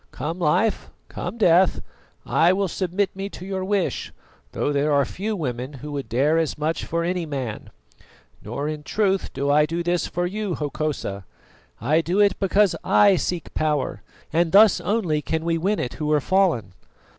Come life, come death, I will submit me to your wish, though there are few women who would dare as much for any man. Nor in truth do I do this for you, Hokosa; I do it because I seek power, and thus only can we win it who are fallen.